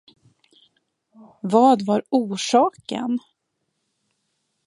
Vad var orsaken?